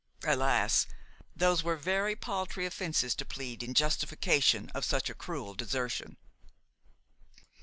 Alas! those were very paltry offences to plead in justification of such a cruel desertion!